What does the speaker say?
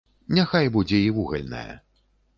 Няхай будзе і вугальная.